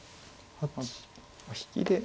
引きで。